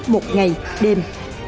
một ngày đêm